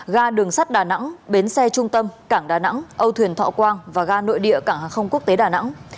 ga đường sắt đà nẵng bến xe trung tâm cảng đà nẵng âu thuyền thọ quang và ga nội địa cảng hàng không quốc tế đà nẵng